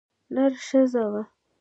نره ښځه وه.